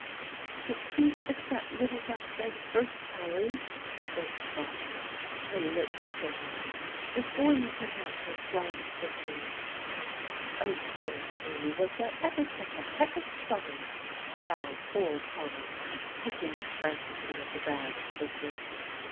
"But please fix that little duck's leg first, Polly," begged Phronsie, her lip quivering, "before you pick out those wrong stitches." "Oh, dear me, was there ever such a peck of trouble!" cried poor Polly, picking frantically at the bad stitches.